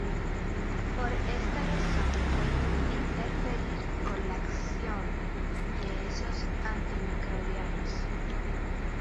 Por esta razón pueden interferir con la acción de esos antimicrobianos.